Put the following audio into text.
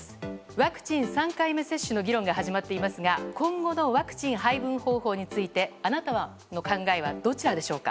ワクチン３回目接種の議論が始まっていますが今後のワクチン配分方法についてあなたの考えはどちらですか？